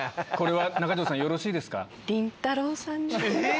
中条さんよろしいですか？